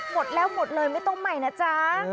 หมดแล้วหมดเลยไม่ต้องใหม่นะจ๊ะ